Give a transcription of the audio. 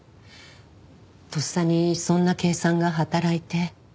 とっさにそんな計算が働いて。